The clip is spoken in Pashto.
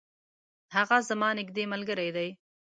هغه زما نیږدي ملګری دی.